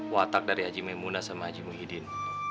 watak dari haji memuna sama haji muhyiddin